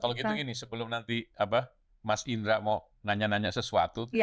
kalau gitu gini sebelum nanti mas indra mau nanya nanya sesuatu